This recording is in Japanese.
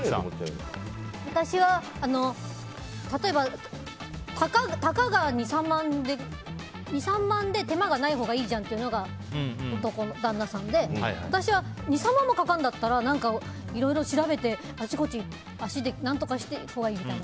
私は例えば、たかが２３万で手間がないほうがいいじゃんって言うのが旦那さんで私は２３万もかかるんだったらいろいろ調べてあっちこっち足で何とかしたほうがいいみたいな。